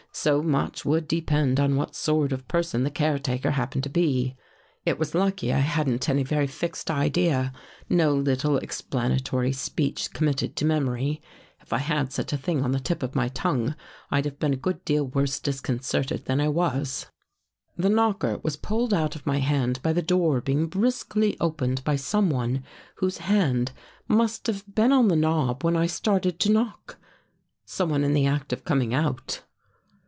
So much would depend on what sort of person the caretaker happened to be. '' It was lucky I hadn't any very fixed idea — no little explanatory speech committed to memory. If I had such a thing on the tip of my tongue, I'd have been a good deal worse disconcerted than I was. The knocker was pulled out of my hand by the door being briskly opened by someone whose hand must have been on the knob when I started to knock — someone in the act of coming out.